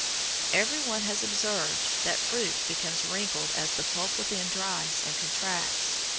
Every one has observed that fruit becomes wrinkled as the pulp within dries and contracts.